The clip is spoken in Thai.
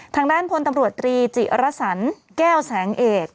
ทางด้านพลตำรวจตรีจิรสันแก้วแสงเอก